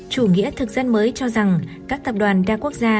chủ nghĩa thực dân mới cho rằng các tập đoàn đa quốc gia